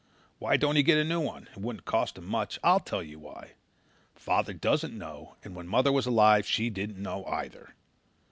Why don't he get a new one? It wouldn't cost much. I'll tell you why. Father doesn't know and when mother was alive she didn't know either.